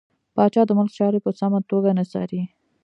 پاچا د ملک چارې په سمه توګه نه څاري .